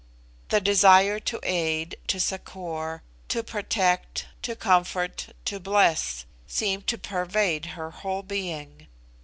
The desire to aid, to succour, to protect, to comfort, to bless, seemed to pervade her whole being.